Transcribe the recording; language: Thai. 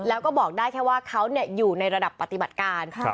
แล้วก็บอกได้แค่ว่าเขาอยู่ในระดับปฏิบัติการ